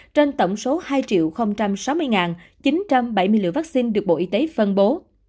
trên tổng số hai sáu mươi chín trăm bảy mươi liều vaccine được bộ y tế phân bố